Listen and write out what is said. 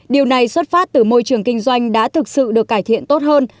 điều này xuất phát từ môi trường kinh doanh đã thực sự được cải thiện tốt hơn